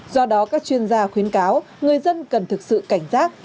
do đó các chuyên gia khuyến cáo người dân cần thực sự cảnh giác